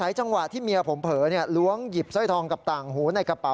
ถ้าผมจำได้ก็เลยตะโกนให้ชาวบ้านช่วยกันจับตัวเอาไว้นะฮะ